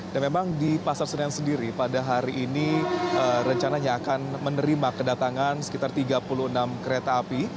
dan memang di pasar senen sendiri pada hari ini rencananya akan menerima kedatangan sekitar tiga puluh enam kereta api